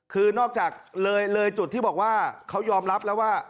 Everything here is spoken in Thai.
คือนอกจากเลยจุดที่บอกว่าเขายอมรับแล้วว่า